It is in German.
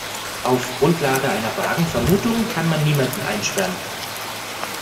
Auf Grundlage einer vagen Vermutung kann man niemanden einsperren.